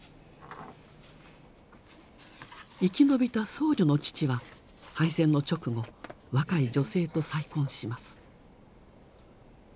生き延びた僧侶の父は敗戦の直後若い女性と再婚します。